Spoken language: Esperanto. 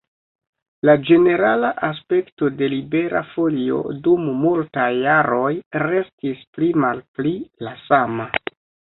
La ĝenerala aspekto de Libera Folio dum multaj jaroj restis pli-malpli la sama.